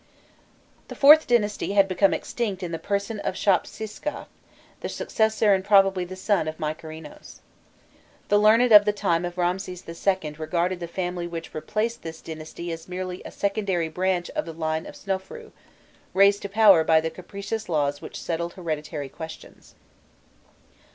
The IVth dynasty became extinct in the person of Shop siskaf, the successor and probably the son of Mykerinos.* The learned of the time of Ramses II. regarded the family which replaced this dynasty as merely a secondary branch of the line of Snofrûi, raised to power by the capricious laws which settled hereditary questions.